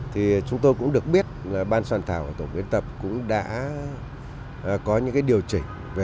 thì chúng tôi cũng được biết là ban soàn thảo của tổng viên tập cũng đã có những điều chỉnh